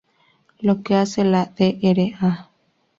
Lo que hace la Dra.